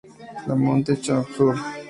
La Motte-en-Champsaur